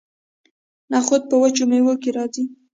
نخود په وچو میوو کې راځي.